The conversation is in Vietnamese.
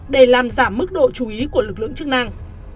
để làm giảm mức độ chú ý của lực lượng chức năng